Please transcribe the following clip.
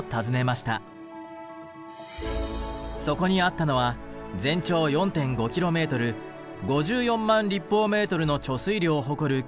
そこにあったのは全長４．５キロメートル５４万立方メートルの貯水量を誇る巨大な調整池。